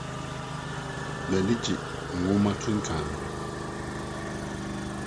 M'ani gye nhoma akenkan ho.